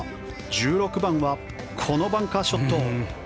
１６番はこのバンカーショット。